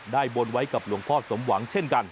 บนไว้กับหลวงพ่อสมหวังเช่นกัน